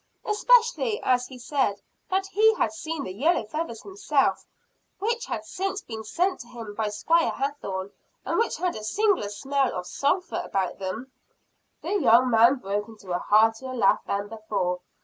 Especially as he said that he had seen the yellow feathers himself; which had since been sent to him by Squire Hathorne, and which had a singular smell of sulphur about them." The young man broke into a heartier laugh than before.